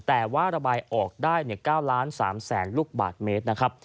แต่ว่าระบายออกได้๙๓ล้านลูกบาทเมตร